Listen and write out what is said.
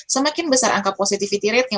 semakin besar angka positivity ratenya